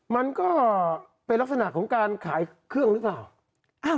มันก็เป็นลักษณะของการขายเครื่องหรือเปล่า